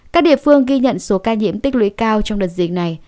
các địa phương ghi nhận số ca nhiễm tích lũy cao trong đợt dịch này